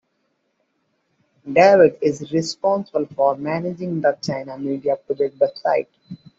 David is responsible for managing the China Media Project website.